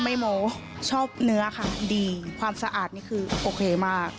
โมชอบเนื้อค่ะดีความสะอาดนี่คือโอเคมาก